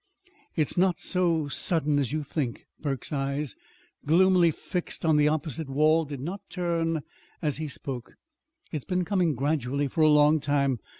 "It's not so sudden as you think." Burke's eyes, gloomily fixed on the opposite wall, did not turn as he spoke. "It's been coming gradually for a long time.